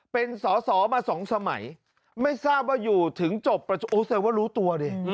เป็นสอสอมาสองสมัยไม่ทราบว่าอยู่ถึงจบโอเซลว่ารู้ตัวดิ